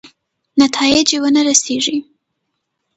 نتایجې ورنه رسېږي.